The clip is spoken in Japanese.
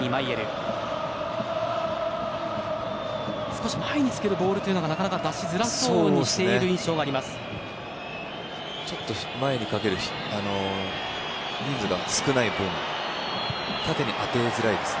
少し前につけるボールがなかなか出しづらそうにしている印象があります。